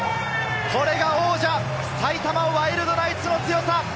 これが王者・埼玉ワイルドナイツの強さ。